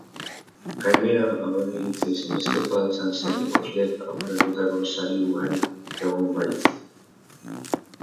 Gainera, hauen iritzia ezinbestekoa izan zen ikusleek aukeratutako sari ugari egon baitzen.